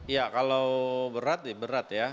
ya kalau berat berat ya